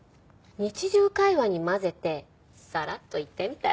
日常会話に交ぜてサラッと言ってみたら？